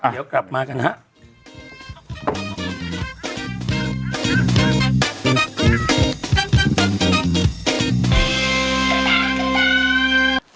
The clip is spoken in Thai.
เดี๋ยวกลับมากันครับ